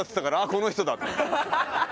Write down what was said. この人だと思って。